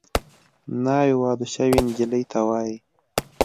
ناوې واده شوې نجلۍ ته وايي